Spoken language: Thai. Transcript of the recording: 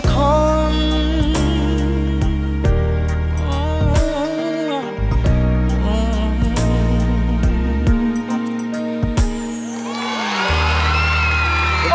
ขอบคุณค่ะ